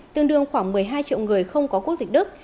tương đương khoảng một mươi hai triệu người không có quốc tịch đức